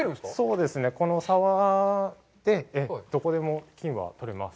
そうですね、この沢でどこでも金は採れます。